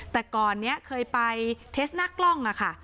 แต่ก่อนนี้เคยไปเทสหน้ากล้องค่ะ